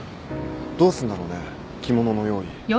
どうすんだろうね着物の用意。